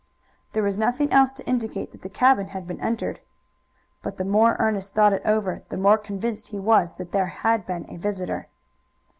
There was nothing else to indicate that the cabin had been entered. But the more Ernest thought it over the more convinced he was that there had been a visitor.